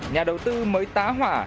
nhà đầu tư mới tá hỏa